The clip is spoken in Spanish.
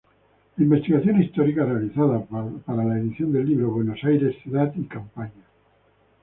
La investigación histórica realizada para la edición del libro "Buenos Aires ciudad y campaña.